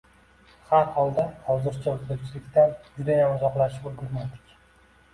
Har xolda, hozircha oʻzbekchilikdan judayam uzoqlashib ulgurmadik.